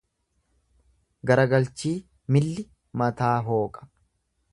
Garagalchii milli mataa hooqa.